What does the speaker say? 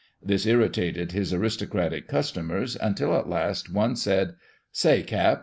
This irritated his aristocratic customers until at last one said, " Say, Cap.